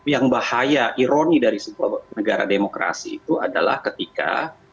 yang bahaya ironi dari sebuah negara demokrasi itu adalah ketika